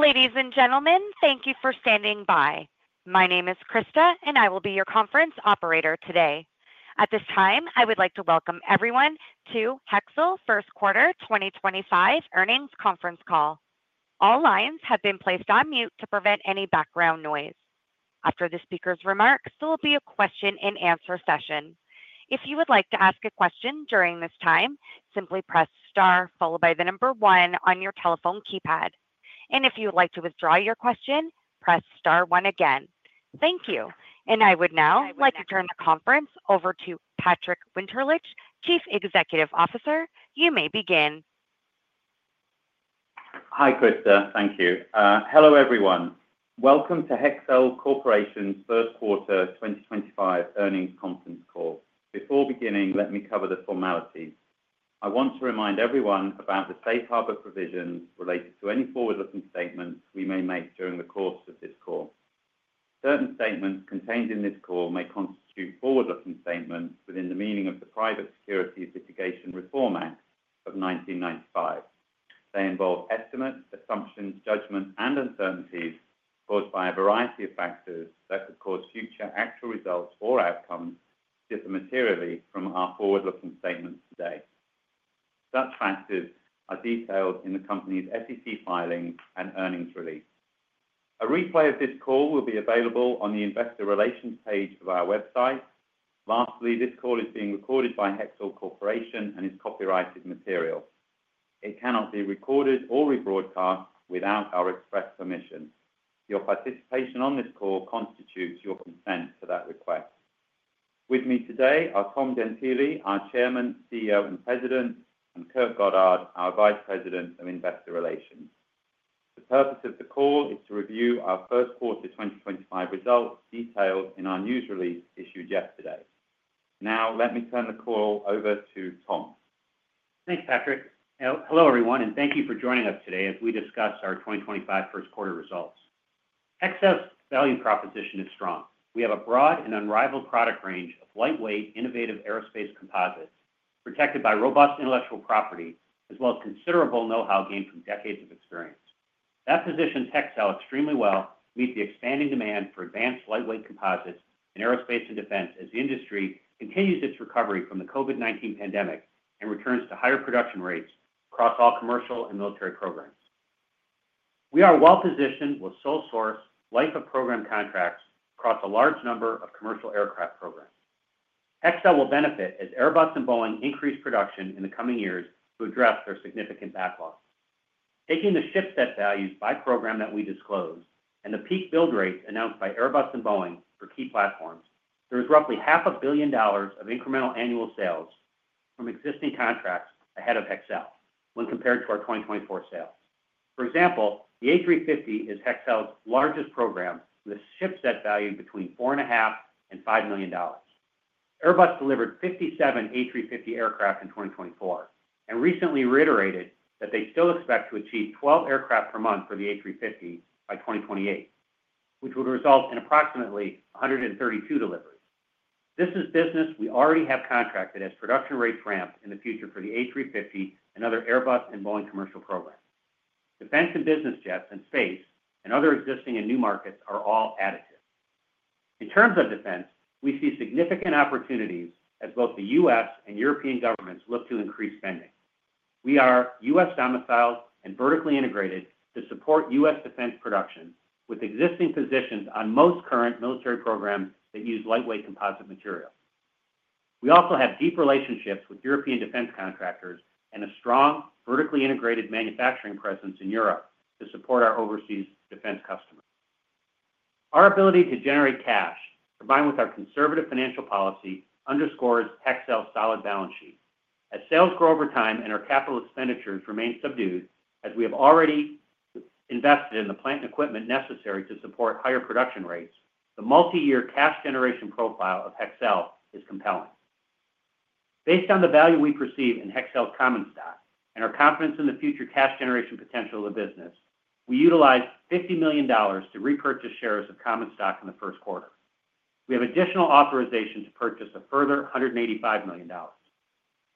Ladies and gentlemen, thank you for standing by. My name is Krista, and I will be your conference operator today. At this time, I would like to welcome everyone to Hexcel First Quarter 2025 earnings conference call. All lines have been placed on mute to prevent any background noise. After the speaker's remarks, there will be a question-and-answer session. If you would like to ask a question during this time, simply press star followed by the number one on your telephone keypad. If you would like to withdraw your question, press star one again. Thank you. I would now like to turn the conference over to Patrick Winterlich, Chief Executive Officer. You may begin. Hi, Krista. Thank you. Hello, everyone. Welcome to Hexcel Corporation's First Quarter 2025 earnings conference call. Before beginning, let me cover the formalities. I want to remind everyone about the safe harbor provisions related to any forward-looking statements we may make during the course of this call. Certain statements contained in this call may constitute forward-looking statements within the meaning of the Private Securities Litigation Reform Act of 1995. They involve estimates, assumptions, judgments, and uncertainties caused by a variety of factors that could cause future actual results or outcomes different materially from our forward-looking statements today. Such factors are detailed in the company's SEC filings and earnings release. A replay of this call will be available on the investor relations page of our website. Lastly, this call is being recorded by Hexcel Corporation and is copyrighted material. It cannot be recorded or rebroadcast without our express permission. Your participation on this call constitutes your consent to that request. With me today are Tom Gentile, our Chairman, CEO, and President, and Kurt Goddard, our Vice President of Investor Relations. The purpose of the call is to review our First Quarter 2025 results detailed in our news release issued yesterday. Now, let me turn the call over to Tom. Thanks, Patrick. Hello, everyone, and thank you for joining us today as we discuss our 2025 First Quarter results. Hexcel's value proposition is strong. We have a broad and unrivaled product range of lightweight, innovative aerospace composites protected by robust intellectual property, as well as considerable know-how gained from decades of experience. That positions Hexcel extremely well to meet the expanding demand for advanced lightweight composites in aerospace and defense as the industry continues its recovery from the COVID-19 pandemic and returns to higher production rates across all commercial and military programs. We are well-positioned with sole-source Life of Program contracts across a large number of commercial aircraft programs. Hexcel will benefit as Airbus and Boeing increase production in the coming years to address their significant backlog. Taking the ship set values by program that we disclosed and the peak build rates announced by Airbus and Boeing for key platforms, there is roughly $500,000,000 of incremental annual sales from existing contracts ahead of Hexcel when compared to our 2024 sales. For example, the A350 is Hexcel's largest program with a ship set value between $4,500,000 and $5,000,000. Airbus delivered 57 A350 aircraft in 2024 and recently reiterated that they still expect to achieve 12 aircraft per month for the A350 by 2028, which would result in approximately 132 deliveries. This is business we already have contracted as production rates ramp in the future for the A350 and other Airbus and Boeing commercial programs. Defense and business jets and space and other existing and new markets are all additive. In terms of defense, we see significant opportunities as both the U.S. and European governments look to increase spending. We are U.S. domiciled and vertically integrated to support U.S. defense production with existing positions on most current military programs that use lightweight composite materials. We also have deep relationships with European defense contractors and a strong vertically integrated manufacturing presence in Europe to support our overseas defense customers. Our ability to generate cash, combined with our conservative financial policy, underscores Hexcel's solid balance sheet. As sales grow over time and our capital expenditures remain subdued as we have already invested in the plant and equipment necessary to support higher production rates, the multi-year cash generation profile of Hexcel is compelling. Based on the value we perceive in Hexcel's common stock and our confidence in the future cash generation potential of the business, we utilized $50 million to repurchase shares of common stock in the first quarter. We have additional authorization to purchase a further $185 million.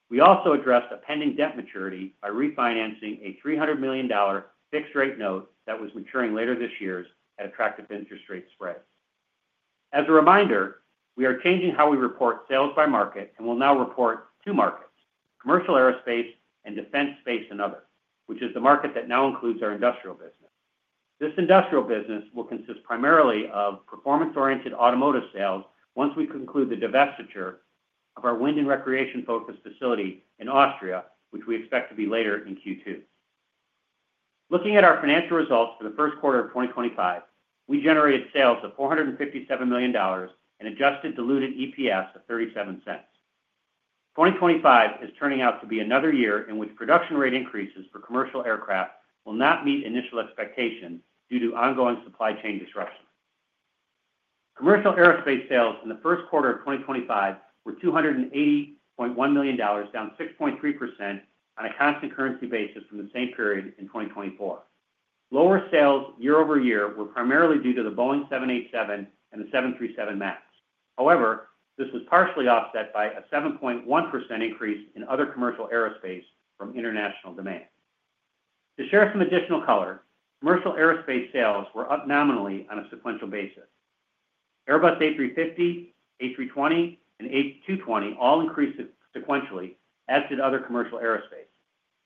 We also addressed a pending debt maturity by refinancing a $300 million fixed-rate note that was maturing later this year at attractive interest rate spreads. As a reminder, we are changing how we report sales by market and will now report two markets: commercial aerospace and defense space and others, which is the market that now includes our industrial business. This industrial business will consist primarily of performance-oriented automotive sales once we conclude the divestiture of our wind and recreation-focused facility in Austria, which we expect to be later in Q2. Looking at our financial results for the first quarter of 2025, we generated sales of $457 million and adjusted diluted EPS of $0.37. 2025 is turning out to be another year in which production rate increases for commercial aircraft will not meet initial expectations due to ongoing supply chain disruptions. Commercial aerospace sales in the first quarter of 2025 were $280.1 million, down 6.3% on a constant currency basis from the same period in 2024. Lower sales year-over-year were primarily due to the Boeing 787 and the 737 MAX. However, this was partially offset by a 7.1% increase in other commercial aerospace from international demand. To share some additional color, commercial aerospace sales were up nominally on a sequential basis. Airbus A350, A320, and A220 all increased sequentially, as did other commercial aerospace.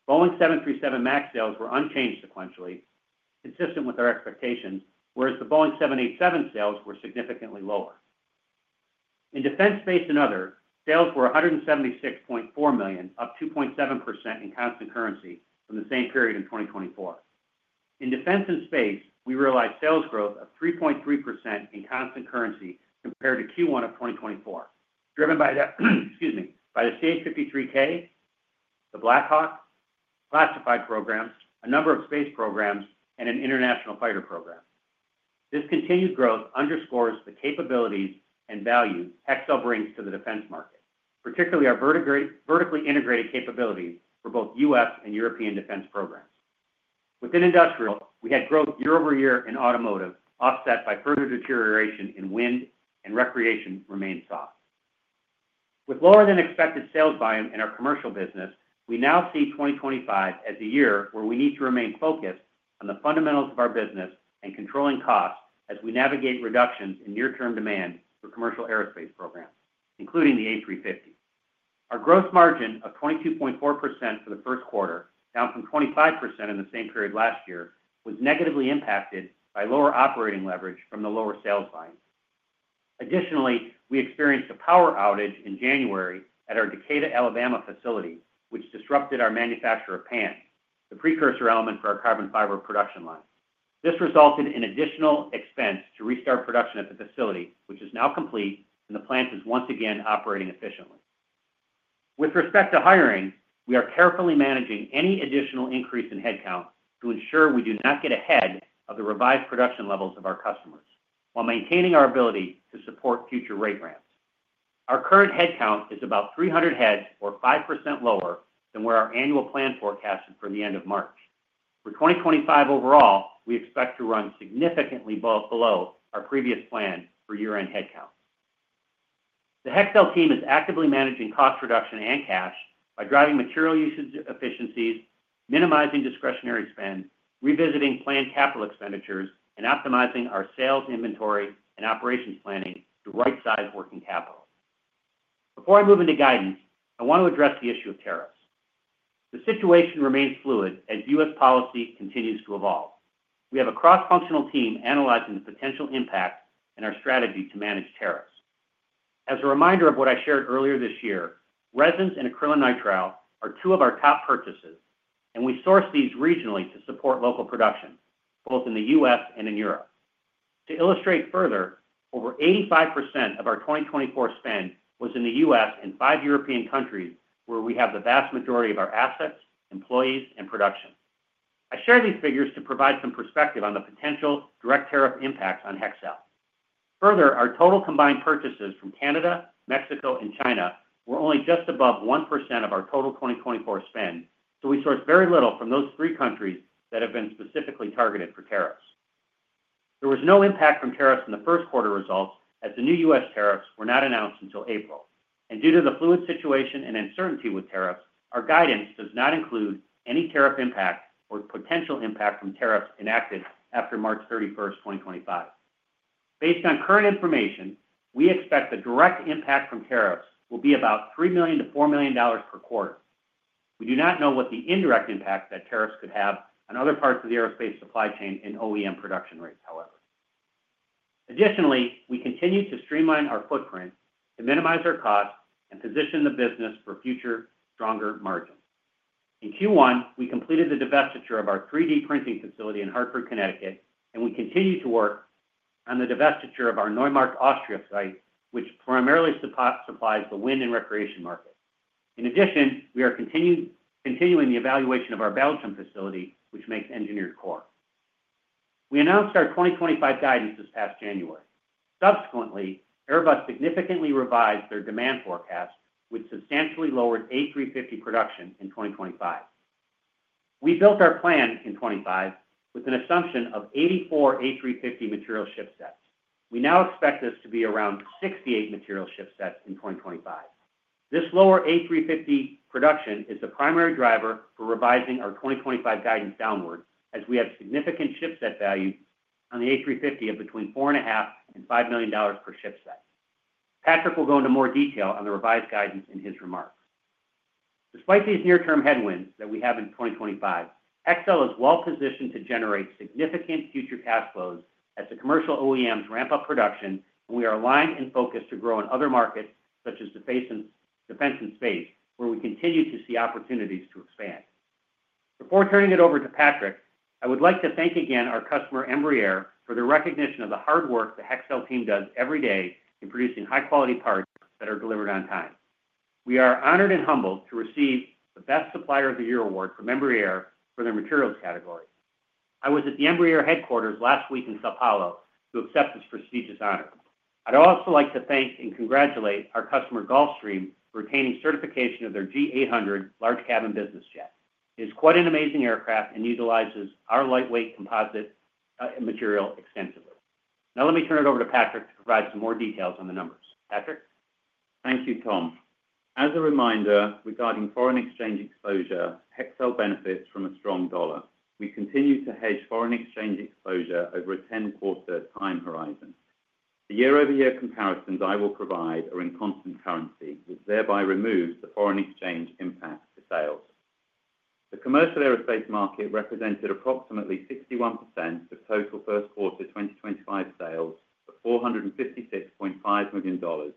Boeing 737 MAX sales were unchanged sequentially, consistent with our expectations, whereas the Boeing 787 sales were significantly lower. In defense space and other, sales were $176.4 million, up 2.7% in constant currency from the same period in 2024. In defense and space, we realized sales growth of 3.3% in constant currency compared to Q1 of 2024, driven by the, excuse me, by the CH-53K, the Black Hawk, classified programs, a number of space programs, and an international fighter program. This continued growth underscores the capabilities and value Hexcel brings to the defense market, particularly our vertically integrated capabilities for both U.S. and European defense programs. Within industrial, we had growth year-over-year in automotive offset by further deterioration in wind and recreation remained soft. With lower than expected sales volume in our commercial business, we now see 2025 as a year where we need to remain focused on the fundamentals of our business and controlling costs as we navigate reductions in near-term demand for commercial aerospace programs, including the A350. Our gross margin of 22.4% for the first quarter, down from 25% in the same period last year, was negatively impacted by lower operating leverage from the lower sales volume. Additionally, we experienced a power outage in January at our Decatur, Alabama, facility, which disrupted our manufacture of PAN, the precursor element for our carbon fiber production line. This resulted in additional expense to restart production at the facility, which is now complete and the plant is once again operating efficiently. With respect to hiring, we are carefully managing any additional increase in headcount to ensure we do not get ahead of the revised production levels of our customers while maintaining our ability to support future rate ramps. Our current headcount is about 300 heads or 5% lower than where our annual plan forecasted for the end of March. For 2025 overall, we expect to run significantly below our previous plan for year-end headcount. The Hexcel team is actively managing cost reduction and cash by driving material usage efficiencies, minimizing discretionary spend, revisiting planned capital expenditures, and optimizing our sales, inventory, and operations planning to right-size working capital. Before I move into guidance, I want to address the issue of tariffs. The situation remains fluid as U.S. policy continues to evolve. We have a cross-functional team analyzing the potential impact and our strategy to manage tariffs. As a reminder of what I shared earlier this year, resins and acrylonitrile are two of our top purchases, and we source these regionally to support local production, both in the U.S. and in Europe. To illustrate further, over 85% of our 2024 spend was in the U.S. and five European countries where we have the vast majority of our assets, employees, and production. I share these figures to provide some perspective on the potential direct tariff impacts on Hexcel. Further, our total combined purchases from Canada, Mexico, and China were only just above 1% of our total 2024 spend, so we source very little from those three countries that have been specifically targeted for tariffs. There was no impact from tariffs in the first quarter results as the new U.S. tariffs were not announced until April. Due to the fluid situation and uncertainty with tariffs, our guidance does not include any tariff impact or potential impact from tariffs enacted after March 31st, 2025. Based on current information, we expect the direct impact from tariffs will be about $3 million-$4 million per quarter. We do not know what the indirect impact that tariffs could have on other parts of the aerospace supply chain and OEM production rates, however. Additionally, we continue to streamline our footprint to minimize our costs and position the business for future stronger margins. In Q1, we completed the divestiture of our 3D printing facility in Hartford, Connecticut, and we continue to work on the divestiture of our Neumarkt, Austria site, which primarily supplies the wind and recreation market. In addition, we are continuing the evaluation of our Belgium facility, which makes Engineered Core. We announced our 2025 guidance this past January. Subsequently, Airbus significantly revised their demand forecast, which substantially lowered A350 production in 2025. We built our plan in 2025 with an assumption of 84 A350 material ship sets. We now expect this to be around 68 material ship sets in 2025. This lower A350 production is the primary driver for revising our 2025 guidance downward as we have significant ship set values on the A350 of between $4.5 million and $5 million per ship set. Patrick will go into more detail on the revised guidance in his remarks. Despite these near-term headwinds that we have in 2025, Hexcel is well-positioned to generate significant future cash flows as the commercial OEMs ramp up production, and we are aligned and focused to grow in other markets such as defense and space, where we continue to see opportunities to expand. Before turning it over to Patrick, I would like to thank again our customer, Embraer, for the recognition of the hard work the Hexcel team does every day in producing high-quality parts that are delivered on time. We are honored and humbled to receive the Best Supplier of the Year award from Embraer for their materials category. I was at the Embraer headquarters last week in Sao Paulo to accept this prestigious honor. I'd also like to thank and congratulate our customer, Gulfstream, for obtaining certification of their G800 large cabin business jet. It is quite an amazing aircraft and utilizes our lightweight composite material extensively. Now let me turn it over to Patrick to provide some more details on the numbers. Patrick? Thank you, Tom. As a reminder, regarding foreign exchange exposure, Hexcel benefits from a strong dollar. We continue to hedge foreign exchange exposure over a 10-quarter time horizon. The year-over-year comparisons I will provide are in constant currency, which thereby removes the foreign exchange impact to sales. The commercial aerospace market represented approximately 61% of total first quarter 2025 sales for $456.5 million.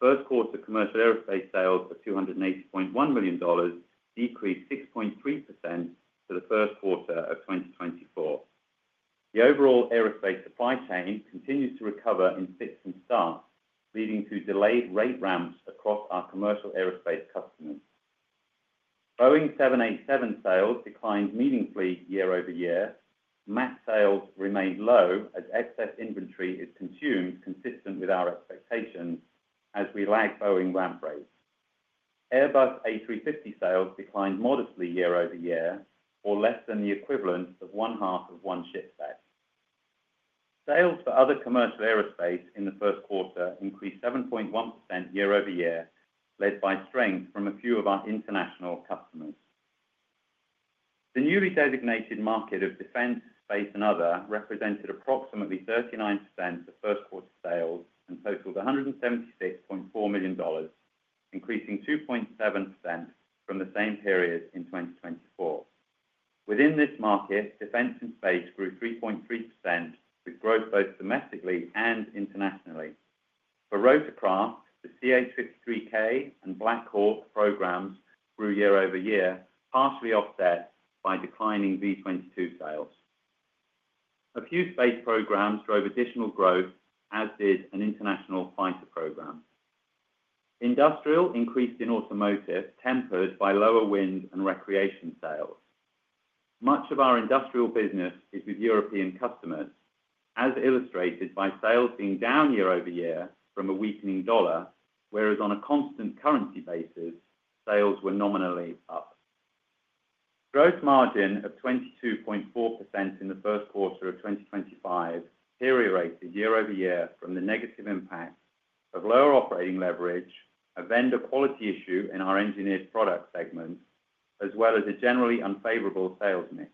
First quarter commercial aerospace sales of $280.1 million decreased 6.3% to the first quarter of 2024. The overall aerospace supply chain continues to recover in fits and starts, leading to delayed rate ramps across our commercial aerospace customers. Boeing 787 sales declined meaningfully year-over-year. MAX sales remained low as excess inventory is consumed, consistent with our expectations as we lag Boeing ramp rates. Airbus A350 sales declined modestly year-over-year, or less than the equivalent of one half of one ship set. Sales for other commercial aerospace in the first quarter increased 7.1% year-over-year, led by strength from a few of our international customers. The newly designated market of defense, space, and other represented approximately 39% of first quarter sales and totaled $176.4 million, increasing 2.7% from the same period in 2024. Within this market, defense and space grew 3.3% with growth both domestically and internationally. For rotorcraft, the CH-53K and Black Hawk programs grew year-over-year, partially offset by declining V-22 sales. A few space programs drove additional growth, as did an international fighter program. Industrial increased in automotive, tempered by lower wind and recreation sales. Much of our industrial business is with European customers, as illustrated by sales being down year-over-year from a weakening dollar, whereas on a constant currency basis, sales were nominally up. Gross margin of 22.4% in the first quarter of 2025 period rated year-over-year from the negative impact of lower operating leverage, a vendor quality issue in our engineered product segment, as well as a generally unfavorable sales mix.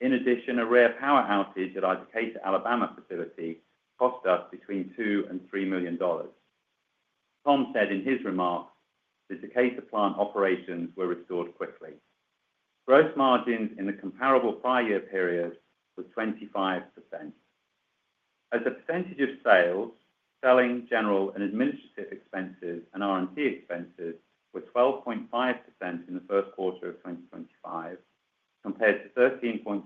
In addition, a rare power outage at our Decatur, Alabama, facility cost us between $2 million and $3 million. Tom said in his remarks that Decatur plant operations were restored quickly. Gross margins in the comparable prior year period were 25%. As a percentage of sales, selling, general, and administrative expenses and R&D expenses were 12.5% in the first quarter of 2025, compared to 13.6%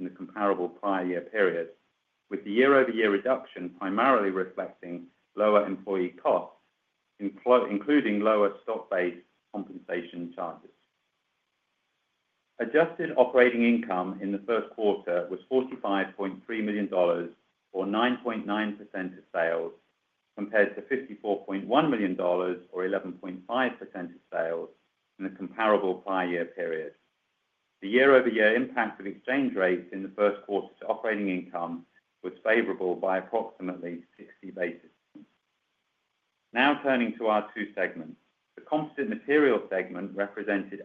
in the comparable prior year period, with the year-over-year reduction primarily reflecting lower employee costs, including lower stock-based compensation charges. Adjusted operating income in the first quarter was $45.3 million, or 9.9% of sales, compared to $54.1 million, or 11.5% of sales, in the comparable prior year period. The year-over-year impact of exchange rates in the first quarter to operating income was favorable by approximately 60 basis points. Now turning to our two segments, the composite material segment represented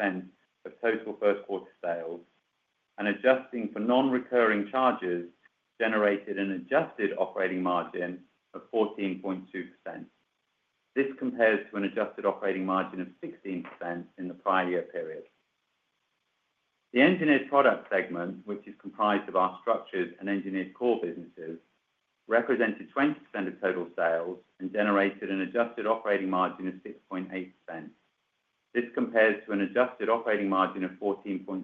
80% of total first quarter sales, and adjusting for non-recurring charges generated an adjusted operating margin of 14.2%. This compares to an adjusted operating margin of 16% in the prior year period. The engineered product segment, which is comprised of our structures and engineered core businesses, represented 20% of total sales and generated an adjusted operating margin of 6.8%. This compares to an adjusted operating margin of 14.3%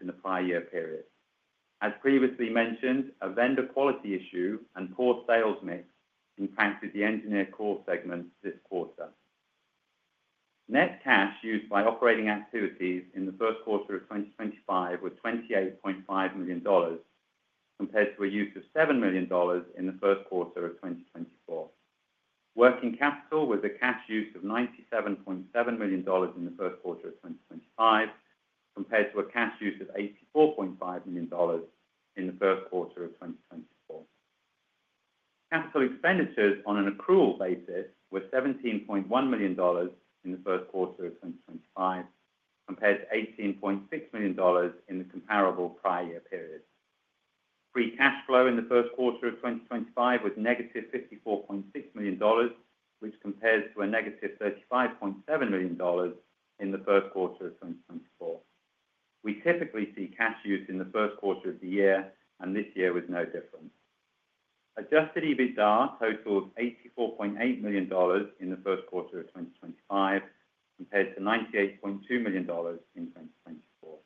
in the prior year period. As previously mentioned, a vendor quality issue and poor sales mix impacted the engineered core segment this quarter. Net cash used by operating activities in the first quarter of 2025 was $28.5 million, compared to a use of $7 million in the first quarter of 2024. Working capital was a cash use of $97.7 million in the first quarter of 2025, compared to a cash use of $84.5 million in the first quarter of 2024. Capital expenditures on an accrual basis were $17.1 million in the first quarter of 2025, compared to $18.6 million in the comparable prior year period. Free cash flow in the first quarter of 2025 was negative $54.6 million, which compares to a negative $35.7 million in the first quarter of 2024. We typically see cash use in the first quarter of the year, and this year was no different. Adjusted EBITDA totaled $84.8 million in the first quarter of 2025, compared to $98.2 million in 2024.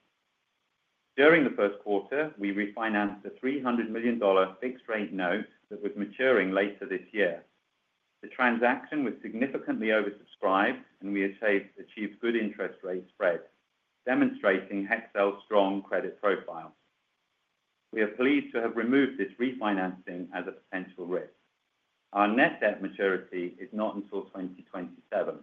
During the first quarter, we refinanced a $300 million fixed-rate note that was maturing later this year. The transaction was significantly oversubscribed, and we achieved good interest rate spread, demonstrating Hexcel's strong credit profile. We are pleased to have removed this refinancing as a potential risk. Our net debt maturity is not until 2027.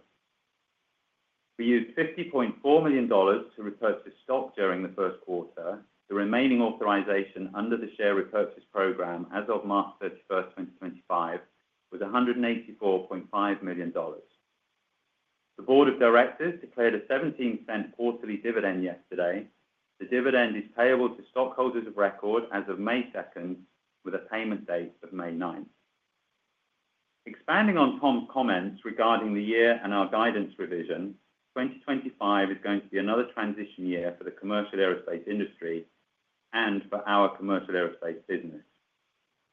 We used $50.4 million to repurchase stock during the first quarter. The remaining authorization under the share repurchase program as of March 31st, 2025, was $184.5 million. The board of directors declared a 17% quarterly dividend yesterday. The dividend is payable to stockholders of record as of May 2nd, with a payment date of May 9th. Expanding on Tom's comments regarding the year and our guidance revision, 2025 is going to be another transition year for the commercial aerospace industry and for our commercial aerospace business.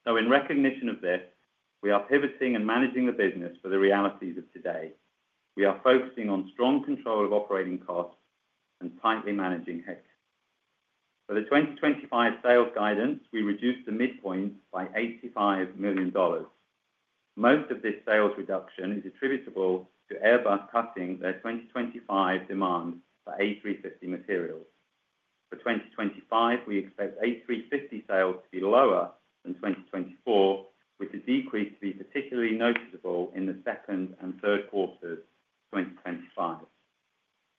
In recognition of this, we are pivoting and managing the business for the realities of today. We are focusing on strong control of operating costs and tightly managing HEX. For the 2025 sales guidance, we reduced the midpoint by $85 million. Most of this sales reduction is attributable to Airbus cutting their 2025 demand for A350 materials. For 2025, we expect A350 sales to be lower than 2024, with the decrease to be particularly noticeable in the second and third quarters of 2025.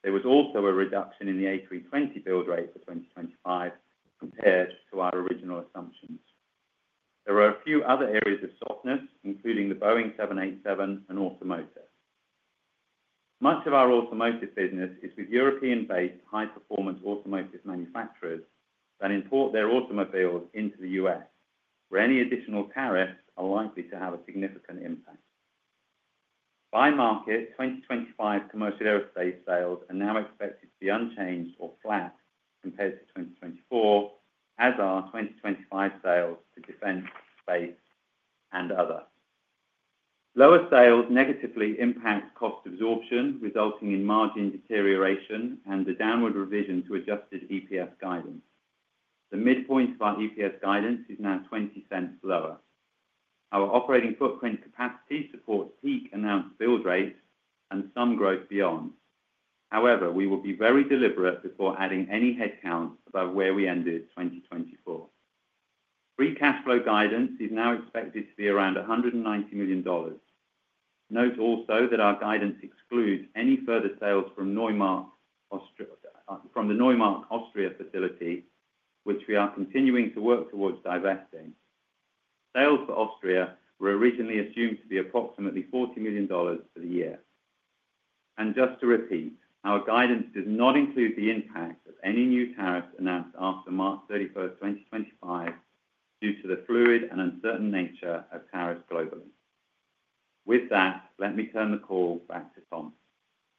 There was also a reduction in the A320 build rate for 2025 compared to our original assumptions. There are a few other areas of softness, including the Boeing 787 and automotive. Much of our automotive business is with European-based high-performance automotive manufacturers that import their automobiles into the U.S., where any additional tariffs are likely to have a significant impact. By market, 2025 commercial aerospace sales are now expected to be unchanged or flat compared to 2024, as are 2025 sales to defense, space, and others. Lower sales negatively impact cost absorption, resulting in margin deterioration and a downward revision to adjusted EPS guidance. The midpoint of our EPS guidance is now $0.20 lower. Our operating footprint capacity supports peak announced build rates and some growth beyond. However, we will be very deliberate before adding any headcount above where we ended 2024. Free cash flow guidance is now expected to be around $190 million. Note also that our guidance excludes any further sales from the Neumarkt, Austria, facility, which we are continuing to work towards divesting. Sales for Austria were originally assumed to be approximately $40 million for the year. Just to repeat, our guidance does not include the impact of any new tariffs announced after March 31st, 2025, due to the fluid and uncertain nature of tariffs globally. With that, let me turn the call back to Tom.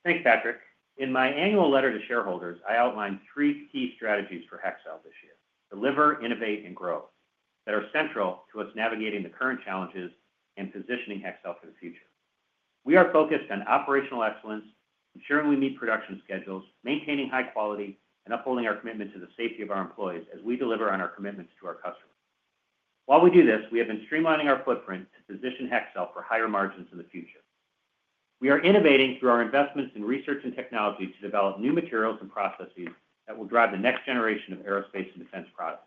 Thanks, Patrick. In my annual letter to shareholders, I outlined three key strategies for Hexcel this year: deliver, innovate, and grow that are central to us navigating the current challenges and positioning Hexcel for the future. We are focused on operational excellence, ensuring we meet production schedules, maintaining high quality, and upholding our commitment to the safety of our employees as we deliver on our commitments to our customers. While we do this, we have been streamlining our footprint to position Hexcel for higher margins in the future. We are innovating through our investments in research and technology to develop new materials and processes that will drive the next generation of aerospace and defense products.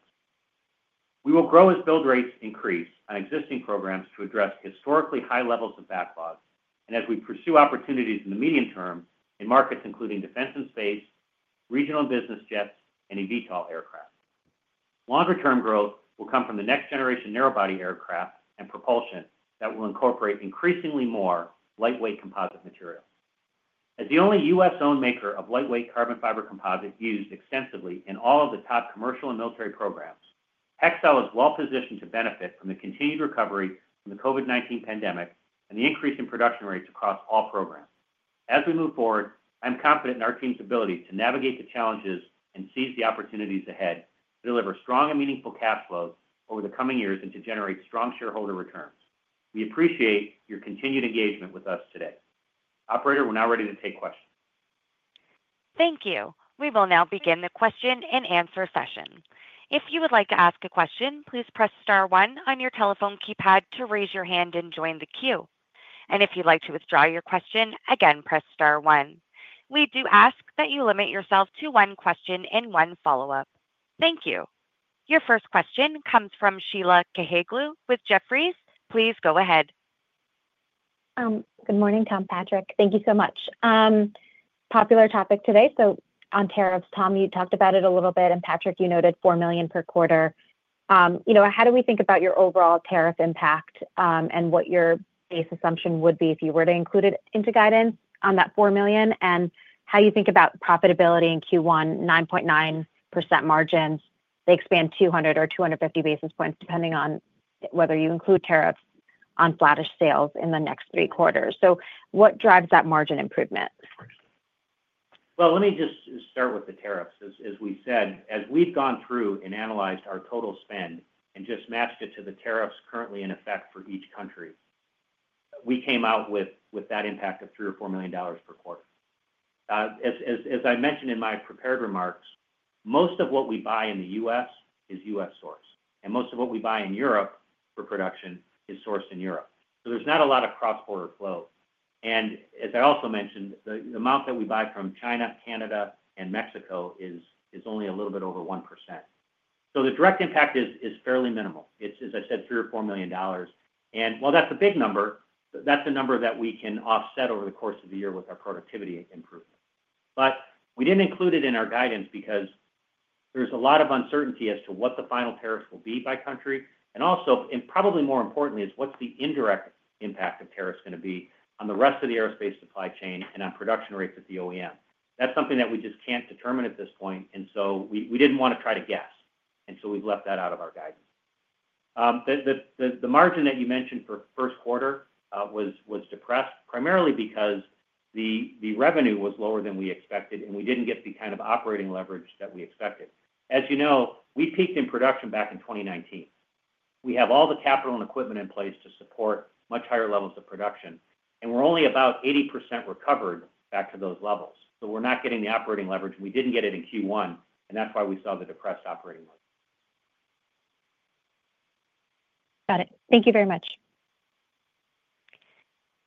We will grow as build rates increase on existing programs to address historically high levels of backlog, and as we pursue opportunities in the medium term in markets including defense and space, regional business jets, and eVTOL aircraft. Longer-term growth will come from the next generation narrowbody aircraft and propulsion that will incorporate increasingly more lightweight composite materials. As the only U.S.-owned maker of lightweight carbon fiber composite used extensively in all of the top commercial and military programs, Hexcel is well-positioned to benefit from the continued recovery from the COVID-19 pandemic and the increase in production rates across all programs. As we move forward, I'm confident in our team's ability to navigate the challenges and seize the opportunities ahead to deliver strong and meaningful cash flows over the coming years and to generate strong shareholder returns. We appreciate your continued engagement with us today. Operator, we're now ready to take questions. Thank you. We will now begin the question and answer session. If you would like to ask a question, please press star one on your telephone keypad to raise your hand and join the queue. If you'd like to withdraw your question, again, press star one. We do ask that you limit yourself to one question and one follow-up. Thank you. Your first question comes from Sheila Kahyaoglu with Jefferies. Please go ahead. Good morning, Tom, Patrick. Thank you so much. Popular topic today. On tariffs, Tom, you talked about it a little bit, and Patrick, you noted $4 million per quarter. How do we think about your overall tariff impact and what your base assumption would be if you were to include it into guidance on that $4 million and how you think about profitability in Q1, 9.9% margins? They expand 200 basis points or 250 basis points depending on whether you include tariffs on flattish sales in the next three quarters. What drives that margin improvement? Let me just start with the tariffs. As we said, as we've gone through and analyzed our total spend and just matched it to the tariffs currently in effect for each country, we came out with that impact of $3 million-$4 million per quarter. As I mentioned in my prepared remarks, most of what we buy in the U.S. is U.S. sourced, and most of what we buy in Europe for production is sourced in Europe. There is not a lot of cross-border flow. As I also mentioned, the amount that we buy from China, Canada, and Mexico is only a little bit over 1%. The direct impact is fairly minimal. It is, as I said, $3 million-$4 million. While that is a big number, that is a number that we can offset over the course of the year with our productivity improvement. We did not include it in our guidance because there is a lot of uncertainty as to what the final tariffs will be by country. Also, and probably more importantly, is what the indirect impact of tariffs is going to be on the rest of the aerospace supply chain and on production rates at the OEM. That is something that we just cannot determine at this point. We did not want to try to guess, so we have left that out of our guidance. The margin that you mentioned for first quarter was depressed primarily because the revenue was lower than we expected, and we did not get the kind of operating leverage that we expected. As you know, we peaked in production back in 2019. We have all the capital and equipment in place to support much higher levels of production, and we are only about 80% recovered back to those levels. We're not getting the operating leverage. We didn't get it in Q1, and that's why we saw the depressed operating margin. Got it. Thank you very much.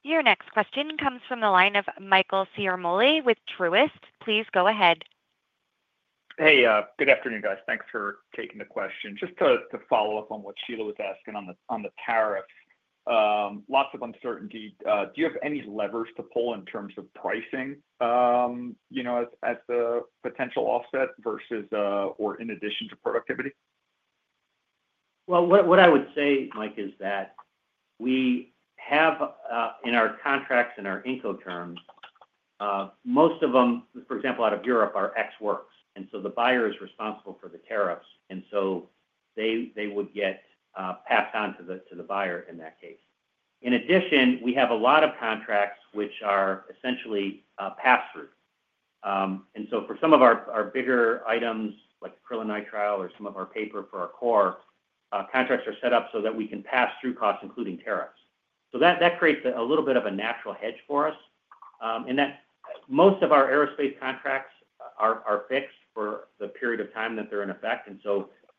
Your next question comes from the line of Michael Ciarmoli with Truist. Please go ahead. Hey, good afternoon, guys. Thanks for taking the question. Just to follow up on what Sheila was asking on the tariffs, lots of uncertainty. Do you have any levers to pull in terms of pricing as a potential offset versus or in addition to productivity? What I would say, Mike, is that we have in our contracts and our Incoterms, most of them, for example, out of Europe, are ex-works. The buyer is responsible for the tariffs. They would get passed on to the buyer in that case. In addition, we have a lot of contracts which are essentially pass-through. For some of our bigger items, like acrylonitrile or some of our paper for our core, contracts are set up so that we can pass-through costs, including tariffs. That creates a little bit of a natural hedge for us. Most of our aerospace contracts are fixed for the period of time that they're in effect.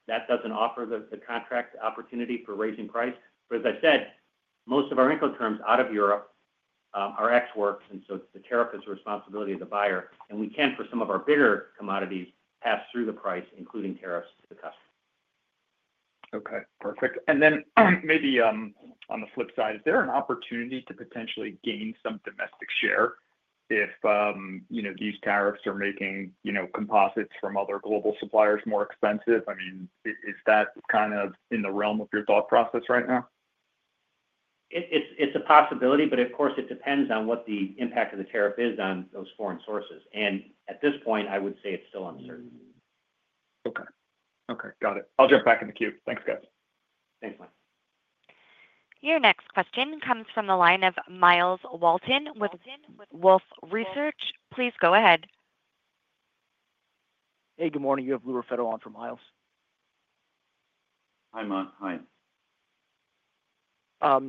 That does not offer the contract opportunity for raising price. As I said, most of our Incoterms out of Europe are ex-works. The tariff is the responsibility of the buyer. We can, for some of our bigger commodities, pass through the price, including tariffs, to the customer. Okay. Perfect. And then maybe on the flip side, is there an opportunity to potentially gain some domestic share if these tariffs are making composites from other global suppliers more expensive? I mean, is that kind of in the realm of your thought process right now? It's a possibility, but of course, it depends on what the impact of the tariff is on those foreign sources. At this point, I would say it's still uncertain. Okay. Okay. Got it. I'll jump back in the queue. Thanks, guys. Thanks, Mike. Your next question comes from the line of Myles Walton with Wolfe Research. Please go ahead. Hey, good morning. You have Louis Raffetto on for Myles. Hi, Matt. Hi.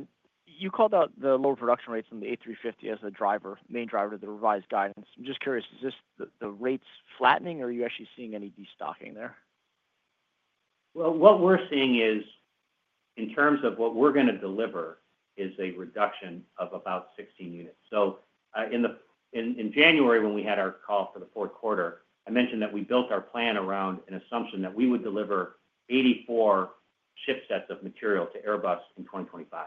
You called out the lower production rates on the A350 as the driver, main driver of the revised guidance. I'm just curious, is this the rates flattening, or are you actually seeing any destocking there? What we're seeing is, in terms of what we're going to deliver, is a reduction of about 16 units. In January, when we had our call for the fourth quarter, I mentioned that we built our plan around an assumption that we would deliver 84 ship sets of material to Airbus in 2025.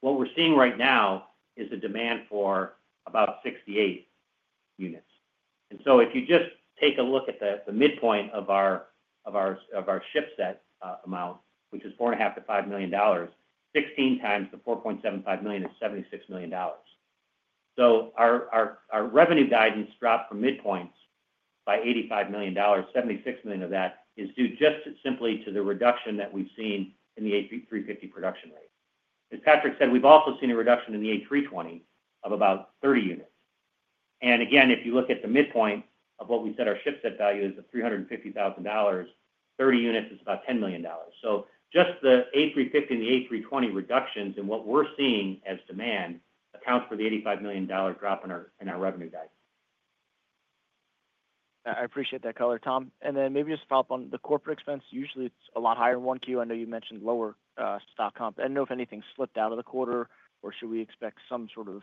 What we're seeing right now is a demand for about 68 units. If you just take a look at the midpoint of our ship set amount, which is $4.5 million-$5 million, 16 times the $4.75 million is $76 million. Our revenue guidance dropped from midpoints by $85 million-$76 million of that is due just simply to the reduction that we've seen in the A350 production rate. As Patrick said, we've also seen a reduction in the A320 of about 30 units. If you look at the midpoint of what we said, our ship set value is $350,000. Thirty units is about $10 million. Just the A350 and the A320 reductions and what we're seeing as demand accounts for the $85 million drop in our revenue guidance. I appreciate that, Keller, Tom. Maybe just to follow up on the corporate expense. Usually, it's a lot higher in one Q. I know you mentioned lower stock comp. I don't know if anything slipped out of the quarter, or should we expect some sort of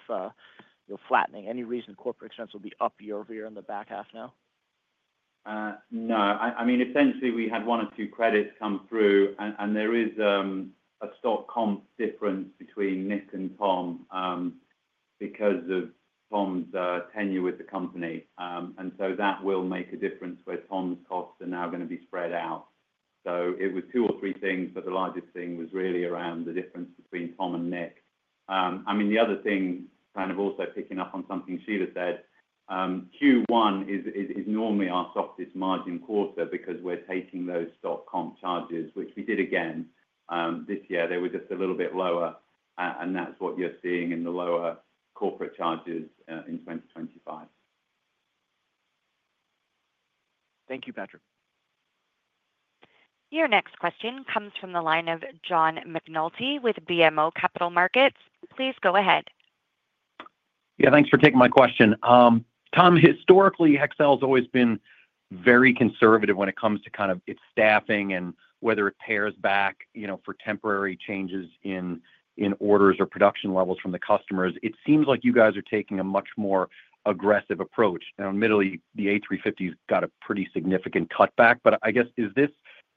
flattening? Any reason corporate expense will be up year-over-year in the back half now? No. I mean, essentially, we had one or two credits come through, and there is a stock comp difference between Nick and Tom because of Tom's tenure with the company. That will make a difference where Tom's costs are now going to be spread out. It was two or three things, but the largest thing was really around the difference between Tom and Nick. I mean, the other thing, kind of also picking up on something Sheila said, Q1 is normally our softest margin quarter because we're taking those stock comp charges, which we did again this year. They were just a little bit lower, and that's what you're seeing in the lower corporate charges in 2025. Thank you, Patrick. Your next question comes from the line of John McNulty with BMO Capital Markets. Please go ahead. Yeah, thanks for taking my question. Tom, historically, Hexcel has always been very conservative when it comes to kind of its staffing and whether it pares back for temporary changes in orders or production levels from the customers. It seems like you guys are taking a much more aggressive approach. Now, admittedly, the A350 has got a pretty significant cutback. I guess,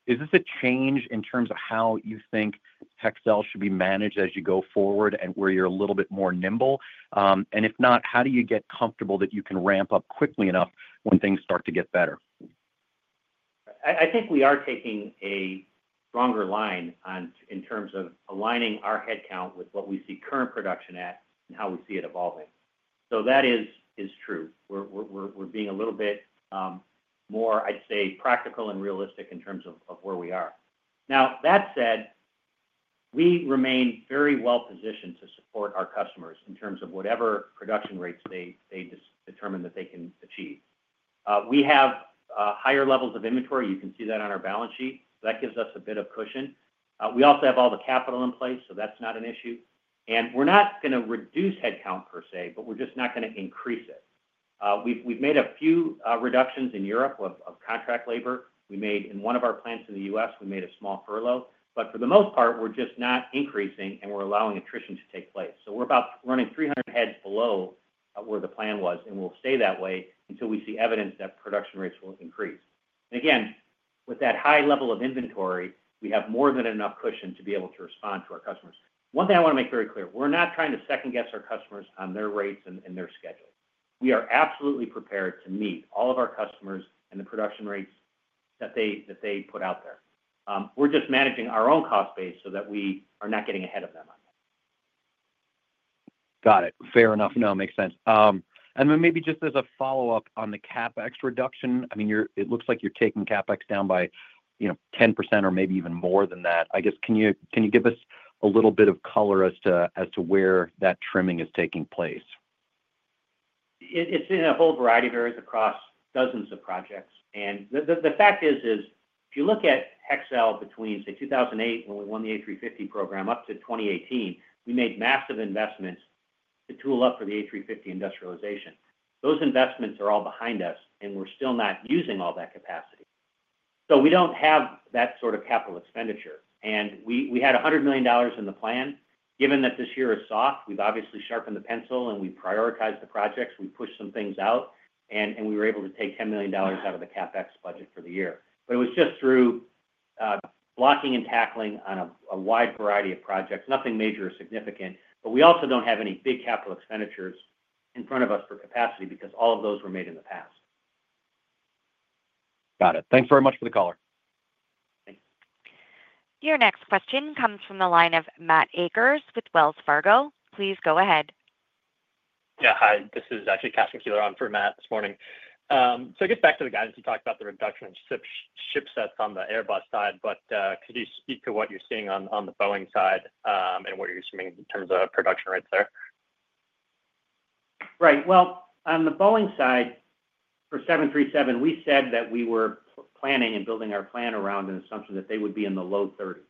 is this a change in terms of how you think Hexcel should be managed as you go forward and where you're a little bit more nimble? If not, how do you get comfortable that you can ramp up quickly enough when things start to get better? I think we are taking a stronger line in terms of aligning our headcount with what we see current production at and how we see it evolving. That is true. We're being a little bit more, I'd say, practical and realistic in terms of where we are. That said, we remain very well-positioned to support our customers in terms of whatever production rates they determine that they can achieve. We have higher levels of inventory. You can see that on our balance sheet. That gives us a bit of cushion. We also have all the capital in place, so that's not an issue. We're not going to reduce headcount per se, but we're just not going to increase it. We've made a few reductions in Europe of contract labor. In one of our plants in the U.S., we made a small furlough. For the most part, we're just not increasing, and we're allowing attrition to take place. We're running 300 heads below where the plan was, and we'll stay that way until we see evidence that production rates will increase. With that high level of inventory, we have more than enough cushion to be able to respond to our customers. One thing I want to make very clear, we're not trying to second-guess our customers on their rates and their schedule. We are absolutely prepared to meet all of our customers and the production rates that they put out there. We're just managing our own cost base so that we are not getting ahead of them on that. Got it. Fair enough. No, makes sense. I mean, maybe just as a follow-up on the CapEx reduction, I mean, it looks like you're taking CapEx down by 10% or maybe even more than that. I guess, can you give us a little bit of color as to where that trimming is taking place? It's in a whole variety of areas across dozens of projects. The fact is, if you look at Hexcel between, say, 2008 when we won the A350 program up to 2018, we made massive investments to tool up for the A350 industrialization. Those investments are all behind us, and we're still not using all that capacity. We do not have that sort of capital expenditure. We had $100 million in the plan. Given that this year is soft, we've obviously sharpened the pencil, and we've prioritized the projects. We pushed some things out, and we were able to take $10 million out of the CapEx budget for the year. It was just through blocking and tackling on a wide variety of projects, nothing major or significant. We also don't have any big capital expenditures in front of us for capacity because all of those were made in the past. Got it. Thanks very much for the call. Thanks. Your next question comes from the line of Matt Akers with Wells Fargo. Please go ahead. Yeah. Hi. This is actually Kasen Kieler on for Matt this morning. I guess back to the guidance, you talked about the reduction in ship sets on the Airbus side, but could you speak to what you're seeing on the Boeing side and what you're assuming in terms of production rates there? Right. On the Boeing side, for 737, we said that we were planning and building our plan around an assumption that they would be in the low 30s.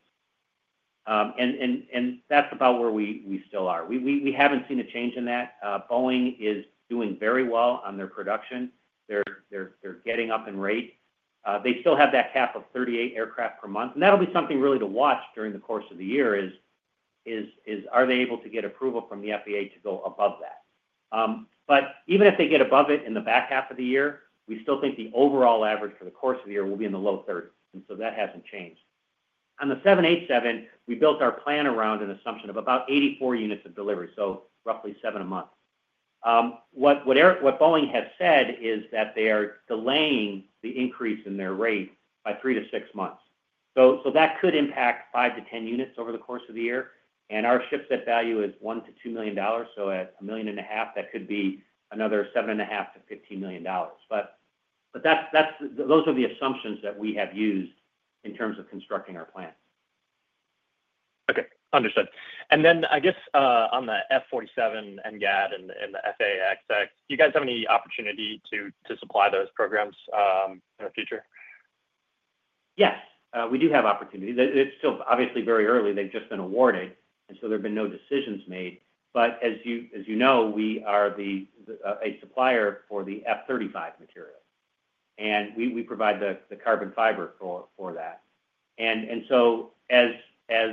That is about where we still are. We have not seen a change in that. Boeing is doing very well on their production. They are getting up in rate. They still have that cap of 38 aircraft per month. That will be something really to watch during the course of the year: are they able to get approval from the FAA to go above that? Even if they get above it in the back half of the year, we still think the overall average for the course of the year will be in the low 30s. That has not changed. On the 787, we built our plan around an assumption of about 84 units of delivery, so roughly seven a month. What Boeing has said is that they are delaying the increase in their rate by three to six months. That could impact 5 units-10 units over the course of the year. Our ship set value is $1 million-$2 million. At $1.5 million, that could be another $7.5 million-$15 million. Those are the assumptions that we have used in terms of constructing our plan. Okay. Understood. I guess on the F47 and NGAD and the FAA XX, do you guys have any opportunity to supply those programs in the future? Yes. We do have opportunity. It's still obviously very early. They've just been awarded, and so there have been no decisions made. As you know, we are a supplier for the F35 material. We provide the carbon fiber for that. As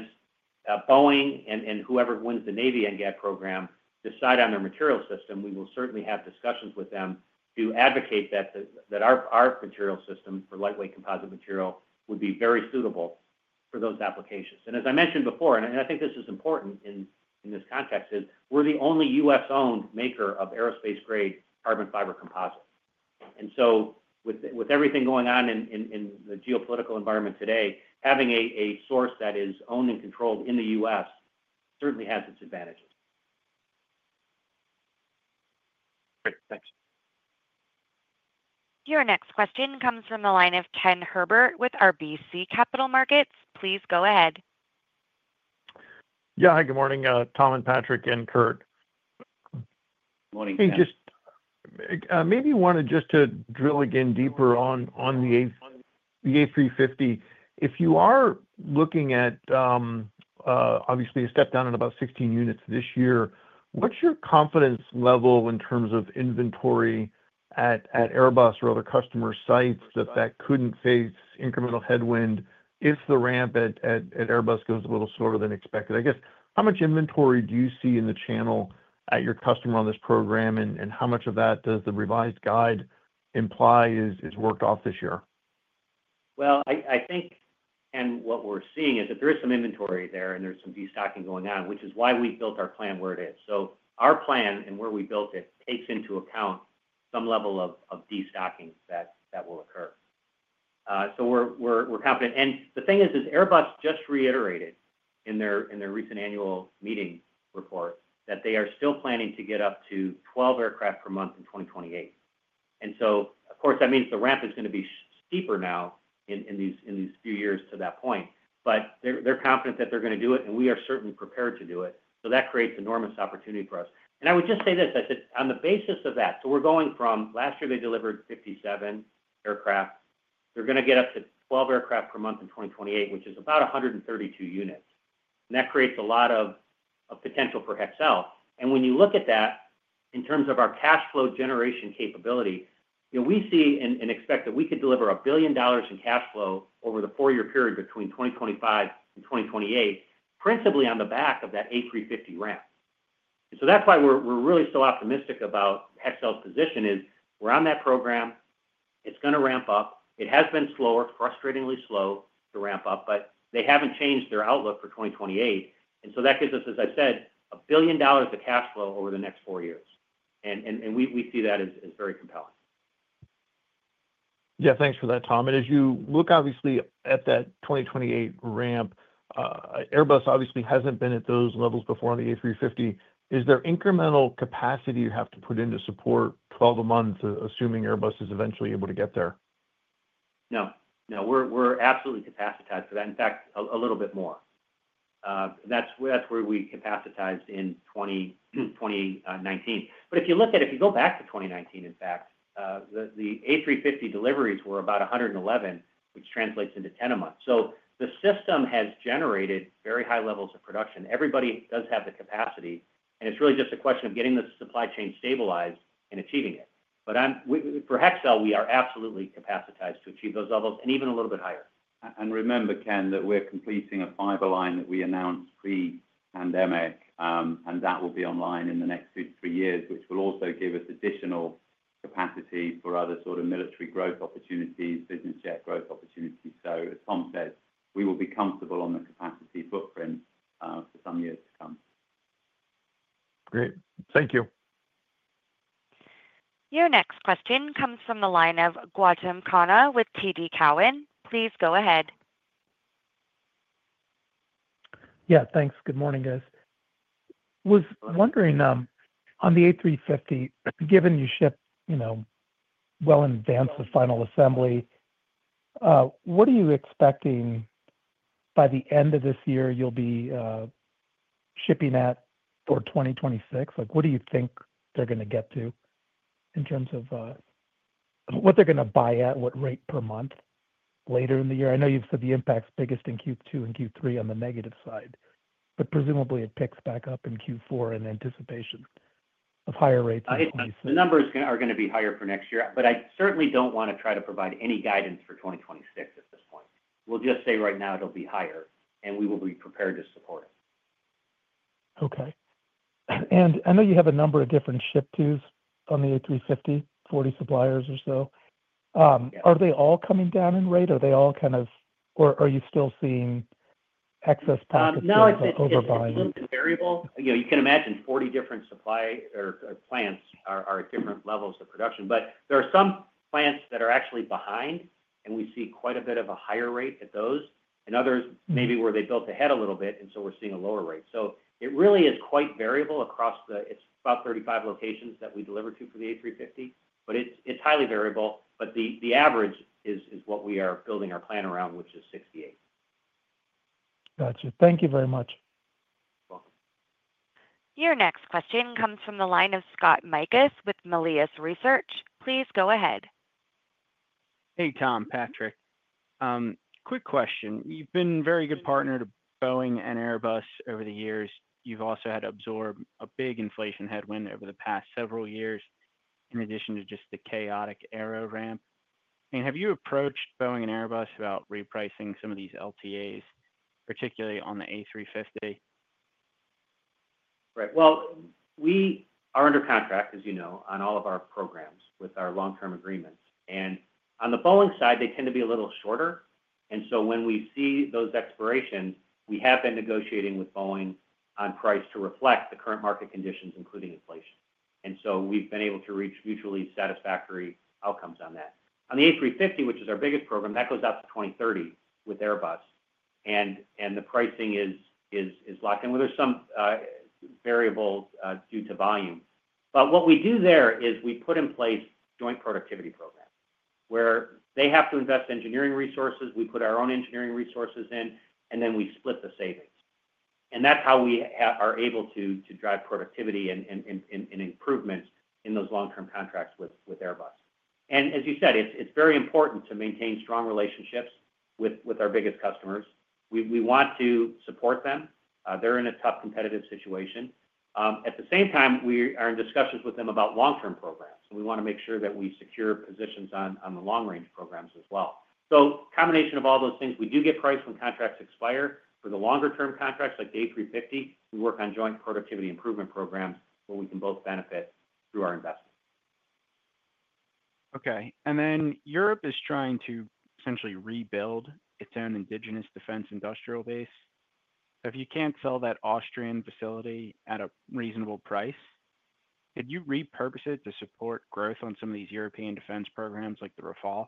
Boeing and whoever wins the Navy and NGAD program decide on their material system, we will certainly have discussions with them to advocate that our material system for lightweight composite material would be very suitable for those applications. As I mentioned before, and I think this is important in this context, we are the only U.S.-owned maker of aerospace-grade carbon fiber composite. With everything going on in the geopolitical environment today, having a source that is owned and controlled in the U.S. certainly has its advantages. Great. Thanks. Your next question comes from the line of Ken Herbert with RBC Capital Markets. Please go ahead. Yeah. Hi, good morning. Tom and Patrick and Kurt. Good morning, Ken. Maybe you wanted just to drill again deeper on the A350. If you are looking at obviously a step down in about 16 units this year, what's your confidence level in terms of inventory at Airbus or other customer sites that that couldn't face incremental headwind if the ramp at Airbus goes a little slower than expected? I guess, how much inventory do you see in the channel at your customer on this program, and how much of that does the revised guide imply is worked off this year? I think, and what we're seeing is that there is some inventory there, and there's some destocking going on, which is why we built our plan where it is. Our plan and where we built it takes into account some level of destocking that will occur. We're confident. The thing is, as Airbus just reiterated in their recent annual meeting report, they are still planning to get up to 12 aircraft per month in 2028. Of course, that means the ramp is going to be steeper now in these few years to that point. They're confident that they're going to do it, and we are certainly prepared to do it. That creates enormous opportunity for us. I would just say this. I said, on the basis of that, we're going from last year they delivered 57 aircraft. They're going to get up to 12 aircraft per month in 2028, which is about 132 units. That creates a lot of potential for Hexcel. When you look at that in terms of our cash flow generation capability, we see and expect that we could deliver $1 billion in cash flow over the four-year period between 2025 and 2028, principally on the back of that A350 ramp. That is why we're really so optimistic about Hexcel's position. We're on that program. It's going to ramp up. It has been slow, frustratingly slow to ramp up, but they haven't changed their outlook for 2028. That gives us, as I said, $1 billion of cash flow over the next four years. We see that as very compelling. Yeah. Thanks for that, Tom. As you look obviously at that 2028 ramp, Airbus obviously hasn't been at those levels before on the A350. Is there incremental capacity you have to put in to support 12 a month, assuming Airbus is eventually able to get there? No. No. We're absolutely capacitized for that. In fact, a little bit more. That's where we capacitized in 2019. If you look at it, if you go back to 2019, in fact, the A350 deliveries were about 111, which translates into 10 a month. The system has generated very high levels of production. Everybody does have the capacity. It's really just a question of getting the supply chain stabilized and achieving it. For Hexcel, we are absolutely capacitized to achieve those levels and even a little bit higher. Remember, Ken, that we're completing a fiber line that we announced pre-pandemic, and that will be online in the next two to three years, which will also give us additional capacity for other sort of military growth opportunities, business jet growth opportunities. As Tom said, we will be comfortable on the capacity footprint for some years to come. Great. Thank you. Your next question comes from the line of Gautam Khanna with TD Cowen. Please go ahead. Yeah. Thanks. Good morning, guys. Was wondering, on the A350, given you ship well in advance of final assembly, what are you expecting by the end of this year you'll be shipping at for 2026? What do you think they're going to get to in terms of what they're going to buy at, what rate per month later in the year? I know you've said the impact's biggest in Q2 and Q3 on the negative side, but presumably it picks back up in Q4 in anticipation of higher rates in 2026. The numbers are going to be higher for next year, but I certainly don't want to try to provide any guidance for 2026 at this point. We'll just say right now it'll be higher, and we will be prepared to support it. Okay. I know you have a number of different ship twos on the A350, 40 suppliers or so. Are they all coming down in rate? Are they all kind of, or are you still seeing excess processing or overbuying? Now, it's a little bit variable. You can imagine 40 different supply or plants are at different levels of production. There are some plants that are actually behind, and we see quite a bit of a higher rate at those. Others maybe where they built ahead a little bit, and so we're seeing a lower rate. It really is quite variable across the—it's about 35 locations that we deliver to for the A350, but it's highly variable. The average is what we are building our plan around, which is 68. Gotcha. Thank you very much. You're welcome. Your next question comes from the line of Scott Mikus with Melius Research. Please go ahead. Hey, Tom, Patrick. Quick question. You've been a very good partner to Boeing and Airbus over the years. You've also had to absorb a big inflation headwind over the past several years in addition to just the chaotic aero ramp. Have you approached Boeing and Airbus about repricing some of these LTAs, particularly on the A350? Right. We are under contract, as you know, on all of our programs with our long-term agreements. On the Boeing side, they tend to be a little shorter. When we see those expirations, we have been negotiating with Boeing on price to reflect the current market conditions, including inflation. We have been able to reach mutually satisfactory outcomes on that. On the A350, which is our biggest program, that goes out to 2030 with Airbus. The pricing is locked in. There are some variables due to volume. What we do there is we put in place joint productivity programs where they have to invest engineering resources. We put our own engineering resources in, and then we split the savings. That is how we are able to drive productivity and improvements in those long-term contracts with Airbus. As you said, it's very important to maintain strong relationships with our biggest customers. We want to support them. They're in a tough competitive situation. At the same time, we are in discussions with them about long-term programs. We want to make sure that we secure positions on the long-range programs as well. A combination of all those things, we do get price when contracts expire. For the longer-term contracts like the A350, we work on joint productivity improvement programs where we can both benefit through our investment. Okay. Europe is trying to essentially rebuild its own indigenous defense industrial base. If you can't sell that Austrian facility at a reasonable price, could you repurpose it to support growth on some of these European defense programs like the Rafale?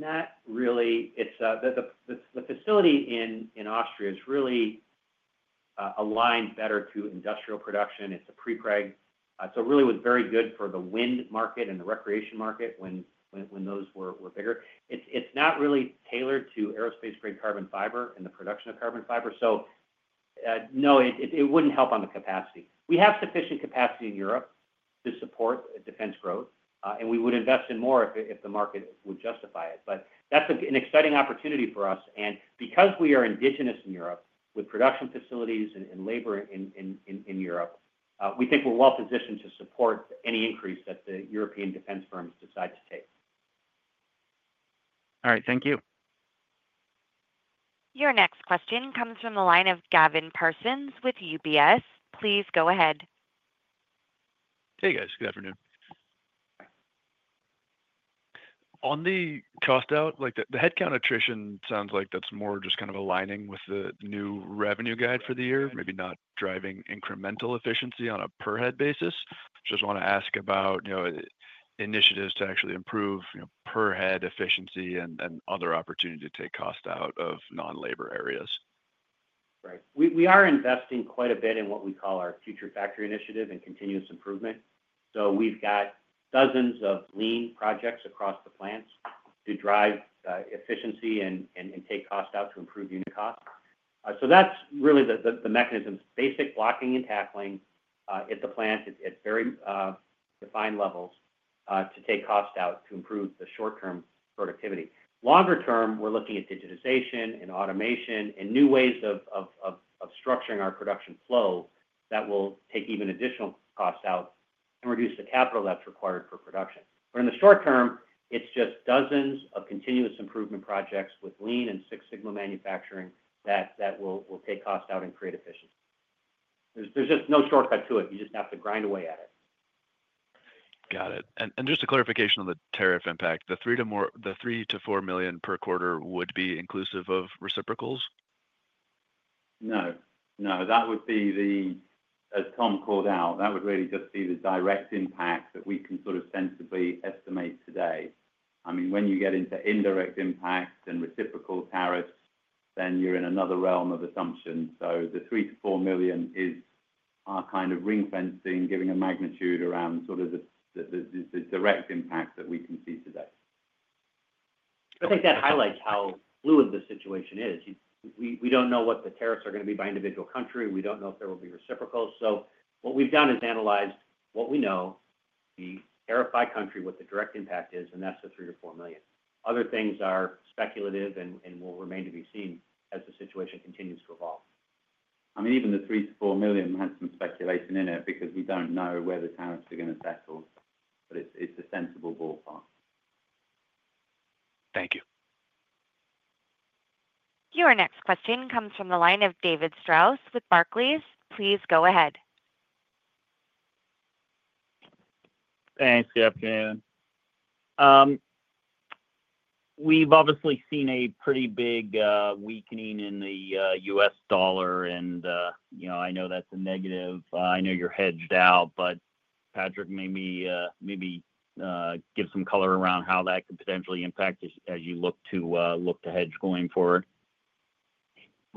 Not really. The facility in Austria is really aligned better to industrial production. It's a prepreg. So it really was very good for the wind market and the recreation market when those were bigger. It's not really tailored to aerospace-grade carbon fiber and the production of carbon fiber. No, it wouldn't help on the capacity. We have sufficient capacity in Europe to support defense growth, and we would invest in more if the market would justify it. That's an exciting opportunity for us. Because we are indigenous in Europe with production facilities and labor in Europe, we think we're well-positioned to support any increase that the European defense firms decide to take. All right. Thank you. Your next question comes from the line of Gavin Parsons with UBS. Please go ahead. Hey, guys. Good afternoon. On the cost out, the headcount attrition sounds like that's more just kind of aligning with the new revenue guide for the year, maybe not driving incremental efficiency on a per-head basis. Just want to ask about initiatives to actually improve per-head efficiency and other opportunity to take cost out of non-labor areas. Right. We are investing quite a bit in what we call our Future Factory initiative and continuous improvement. We have got dozens of Lean projects across the plants to drive efficiency and take cost out to improve unit cost. That is really the mechanisms. Basic blocking and tackling at the plant at very defined levels to take cost out to improve the short-term productivity. Longer term, we are looking at digitization and automation and new ways of structuring our production flow that will take even additional cost out and reduce the capital that is required for production. In the short term, it is just dozens of continuous improvement projects with Lean and Six Sigma manufacturing that will take cost out and create efficiency. There is just no shortcut to it. You just have to grind away at it. Got it. Just a clarification on the tariff impact. The $3 million-$4 million per quarter would be inclusive of reciprocals? No. No. That would be the, as Tom called out, that would really just be the direct impact that we can sort of sensibly estimate today. I mean, when you get into indirect impact and reciprocal tariffs, then you're in another realm of assumption. The $3 million-$4 million is our kind of ring-fencing, giving a magnitude around sort of the direct impact that we can see today. I think that highlights how fluid the situation is. We do not know what the tariffs are going to be by individual country. We do not know if there will be reciprocals. What we have done is analyzed what we know, the tariff by country, what the direct impact is, and that is the $3 million-$4 million. Other things are speculative and will remain to be seen as the situation continues to evolve. I mean, even the $3 million-$4 million has some speculation in it because we don't know where the tariffs are going to settle, but it's a sensible ballpark. Thank you. Your next question comes from the line of David Strauss with Barclays. Please go ahead. Thanks. Good afternoon. We've obviously seen a pretty big weakening in the U.S. dollar, and I know that's a negative. I know you're hedged out, but Patrick, maybe give some color around how that could potentially impact as you look to hedge going forward.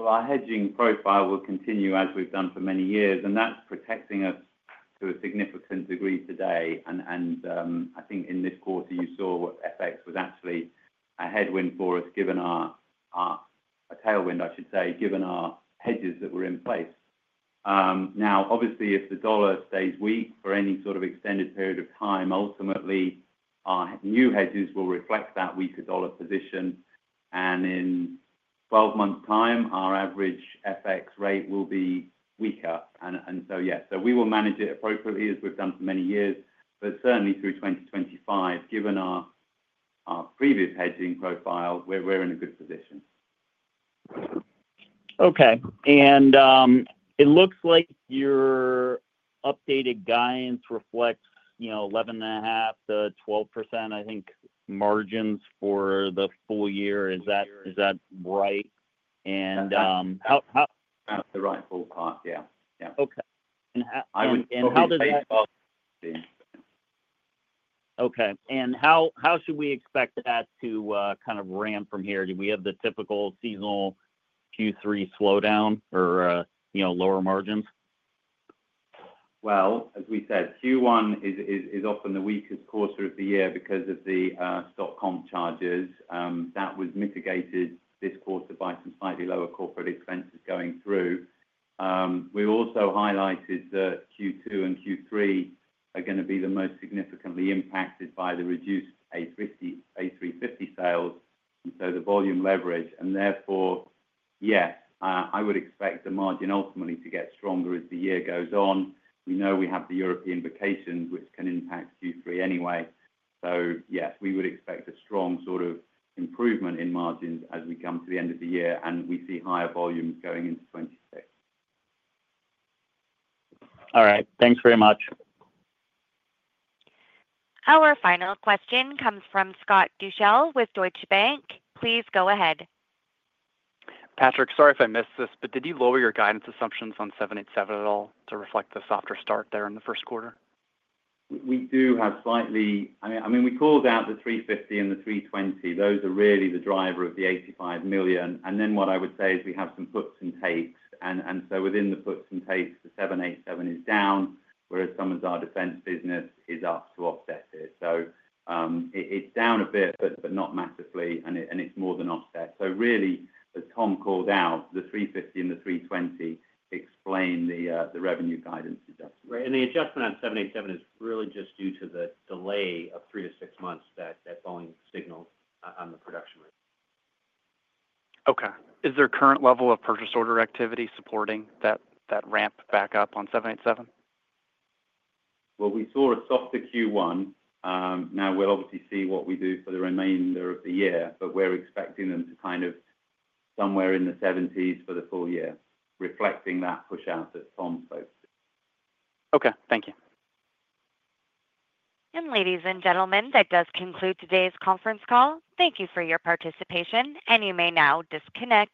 Our hedging profile will continue as we've done for many years, and that's protecting us to a significant degree today. I think in this quarter, you saw what FX was actually a headwind for us, given our tailwind, I should say, given our hedges that were in place. Now, obviously, if the dollar stays weak for any sort of extended period of time, ultimately, our new hedges will reflect that weaker dollar position. In 12 months' time, our average FX rate will be weaker. Yeah. We will manage it appropriately as we've done for many years. Certainly through 2025, given our previous hedging profile, we're in a good position. Okay. It looks like your updated guidance reflects 11.5%-12% margins for the full year. Is that right? How? That's the right ballpark. Yeah. Yeah. I would say about 15. Okay. How should we expect that to kind of ram from here? Do we have the typical seasonal Q3 slowdown or lower margins? As we said, Q1 is often the weakest quarter of the year because of the stock comp charges. That was mitigated this quarter by some slightly lower corporate expenses going through. We also highlighted that Q2 and Q3 are going to be the most significantly impacted by the reduced A350 sales, and so the volume leverage. Therefore, yes, I would expect the margin ultimately to get stronger as the year goes on. We know we have the European vacations, which can impact Q3 anyway. Yes, we would expect a strong sort of improvement in margins as we come to the end of the year, and we see higher volumes going into 2026. All right. Thanks very much. Our final question comes from Scott Deuschle with Deutsche Bank. Please go ahead. Patrick, sorry if I missed this, but did you lower your guidance assumptions on 787 at all to reflect the softer start there in the first quarter? We do have slightly—I mean, we called out the A350 and the A320. Those are really the driver of the $85 million. What I would say is we have some puts and takes. Within the puts and takes, the 787 is down, whereas some of our defense business is up to offset it. It is down a bit, but not massively, and it is more than offset. Really, as Tom called out, the A350 and the A320 explain the revenue guidance adjustment. Right. The adjustment on 787 is really just due to the delay of three to six months that Boeing signaled on the production rate. Okay. Is there current level of purchase order activity supporting that ramp back up on 787? We saw a softer Q1. Now, we'll obviously see what we do for the remainder of the year, but we're expecting them to kind of somewhere in the 70s for the full year, reflecting that push out that Tom posted. Okay. Thank you. Ladies and gentlemen, that does conclude today's conference call. Thank you for your participation, and you may now disconnect.